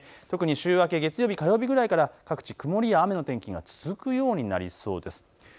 特に週明け月曜日、火曜日ぐらいから各地、曇りや雨の天気が続くようになりそうです。